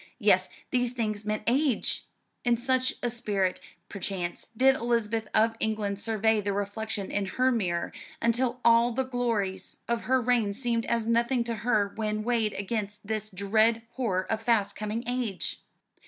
Yes, these things meant age! In such a spirit, perchance, did Elizabeth of England survey the reflection in her mirror, until all the glories of her reign seemed as nothing to her when weighed against this dread horror of fast coming age.